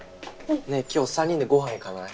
ねぇ今日３人でごはん行かない？